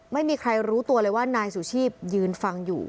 ไม่มีใครรู้ตัวเลยว่านายสุชีพยืนฟังอยู่